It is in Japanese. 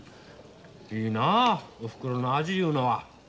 いいなあおふくろの味いうのは。